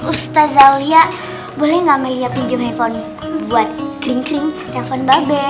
ustaz zawliyah boleh gak amelia pinjem handphone buat kering kering telepon babe